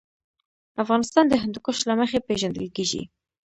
افغانستان د هندوکش له مخې پېژندل کېږي.